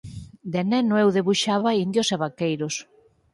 De neno, eu debuxaba indios e vaqueiros.